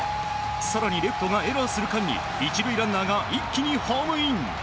更にレフトがエラーする間に１塁ランナーが一気にホームイン。